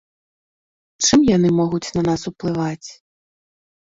Чым яны могуць на нас уплываць?